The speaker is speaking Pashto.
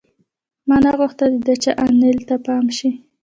ما نه غوښتل چې د چا انیلا ته پام شي